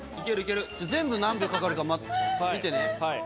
全部何秒かかるか見てね。